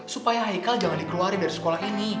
supaya haikal jangan dikeluarin dari sekolah ini